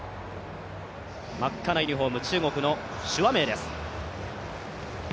真っ赤なユニフォーム、中国の朱亜明です。